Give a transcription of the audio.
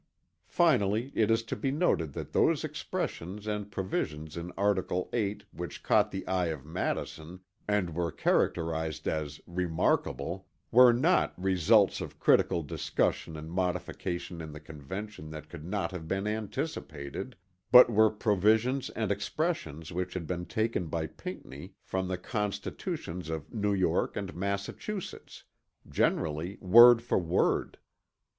Finally it is to be noted that those expressions and provisions in article VIII which caught the eye of Madison and were characterized as "remarkable" were not "results of critical discussion and modification in the Convention that could not have been anticipated," but were provisions and expressions which had been taken by Pinckney from the constitutions of New York and Massachusetts, generally word for word.